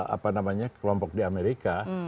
apa namanya kelompok di amerika